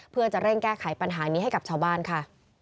เพื่อจะเร่งแก้ไขปัญหานี้ให้กับชาวบ้านค่ะ